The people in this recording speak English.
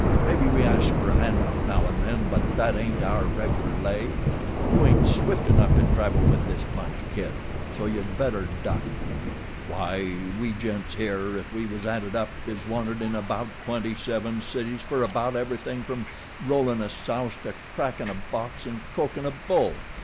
Maybe we asks fer a handout now and then; but that ain't our reg'lar way. You ain't swift enough to travel with this bunch, kid, so you'd better duck. Why we gents, here, if we was added up is wanted in about twenty seven cities fer about everything from rollin' a souse to crackin' a box and croakin' a bull.